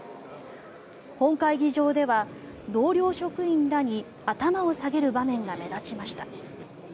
本会議場では同僚職員らに頭を下げる場面が目立ちました。